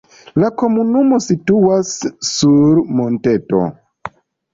La komunumo situas sur monteto.